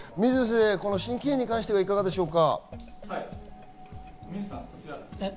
この心筋炎に関してはいかがでしょうか？